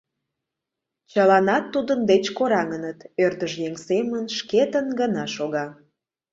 Чыланат тудын деч кораҥыныт, ӧрдыж еҥ семын шкетын гына шога.